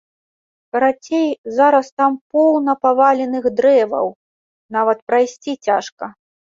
Карацей, зараз там поўна паваленых дрэваў, нават прайсці цяжка.